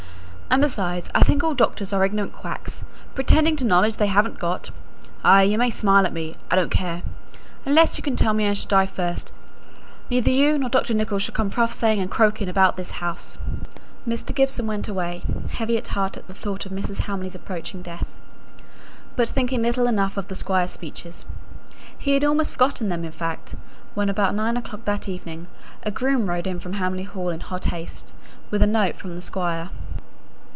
And, besides, I think all doctors are ignorant quacks, pretending to knowledge they haven't got. Ay, you may smile at me. I don't care. Unless you can tell me I shall die first, neither you nor your Dr. Nicholls shall come prophesying and croaking about this house." Mr. Gibson went away, heavy at heart from the thought of Mrs. Hamley's approaching death, but thinking little enough of the Squire's speeches. He had almost forgotten them, in fact, when about nine o'clock that evening, a groom rode in from Hamley Hall in hot haste, with a note from the Squire.